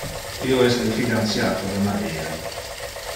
Io es le fidantiato de Maria.